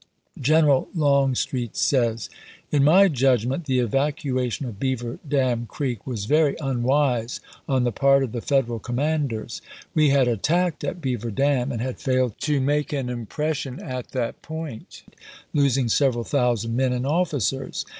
General Longstreet says: In my judgement the evacuation of Beaver Dam Creek was very unwise on the part of the Federal commanders. We had attacked at Beaver Dam, and had failed to make an impression at that point, losing several thousand men and officers.